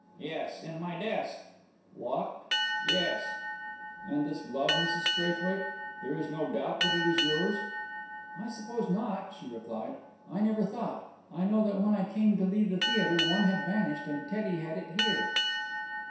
"Yes, in my desk." "Locked?" "Yes." "And this glove, Mrs Straithwaite? There is no doubt that it is yours?" "I suppose not," she replied. "I never thought. I know that when I came to leave the theatre one had vanished and Teddy had it here."